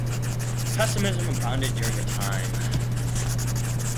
Pessimism abounded during the time.